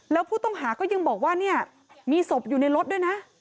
แล้วผู้ต้องหาก็ยังบอกว่าเนี่ยมีศพอยู่ในรถด้วยนะ